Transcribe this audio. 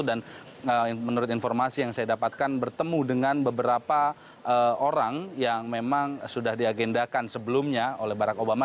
dan menurut informasi yang saya dapatkan bertemu dengan beberapa orang yang memang sudah diagendakan sebelumnya oleh barack obama